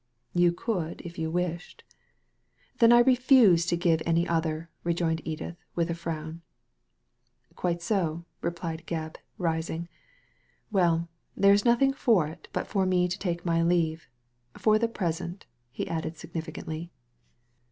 " You could if you wished." Then I refuse to give any other," rejoined Edith, with a frown. "Quite so," replied Gebb, rising. "Well, Aere is nothing for it but for me to take my leave — for the present," he added significantly.